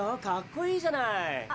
かっこいいじゃない！